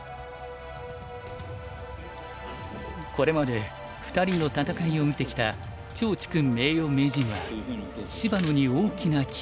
これまで２人の戦いを見てきた趙治勲名誉名人は芝野に大きな期待を寄せている。